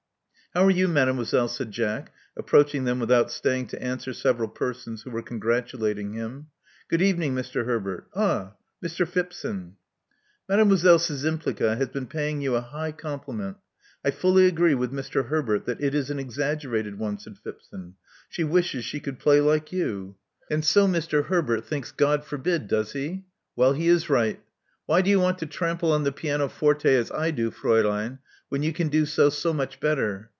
*'How are you. Mademoiselle?" said Jack, approach ing them without staying to answer several persons who were congratulating him. Good evening, Mr. Herbert. Ah, Mr. Phipson." Mademoiselle Szcz3ntnpli5a has been paying you a high compliment — I fully agree with Mr. Herbert that it is an exaggerated one,'* said Phipson, She wishes she could play like you." 192 Love Among the Artists And so Mr. Herbert thinks *God forbid!' does he? Well, he is right. Why do you want to trample on the pianoforte as I do, Fraulein, when you can do so much better?